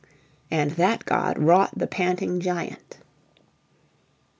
And that god wrought the panting giant.